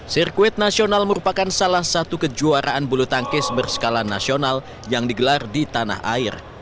sirkuit nasional merupakan salah satu kejuaraan bulu tangkis berskala nasional yang digelar di tanah air